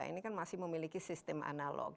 ini kan masih memiliki sistem analog